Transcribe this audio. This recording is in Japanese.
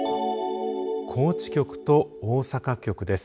高知局と大阪局です。